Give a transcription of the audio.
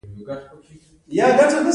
هغه وخت هم ورته کومه ځانګړې اړتیا نلري